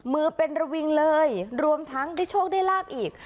มือเป็นระวิงเลยรวมทั้งได้โชคได้ลาบอีก